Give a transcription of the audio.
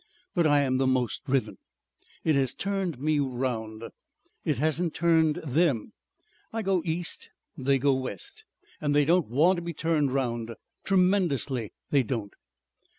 But I am the most driven. It has turned me round. It hasn't turned them. I go East and they go West. And they don't want to be turned round. Tremendously, they don't."